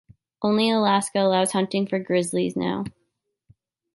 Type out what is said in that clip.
Only Alaska allows hunting for Grizzlies now.